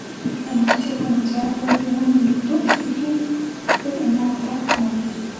La noticia fue anunciada por el primer ministro Stephen Harper en Bogotá, Colombia.